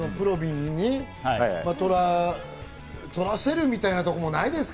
ぷろびんに撮らせるみたいなところもないですか？